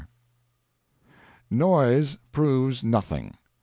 Noise proves nothing.